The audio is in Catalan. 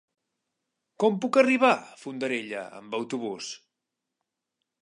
Com puc arribar a Fondarella amb autobús?